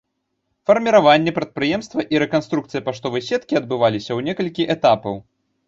Фарміраванне прадпрыемства і рэструктурызацыя паштовай сеткі адбываліся ў некалькі этапаў.